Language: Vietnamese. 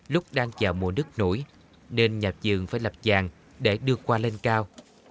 lúc đang chờ mùa nước nổi nên nhà trường phải lập vàng để đưa qua lên cao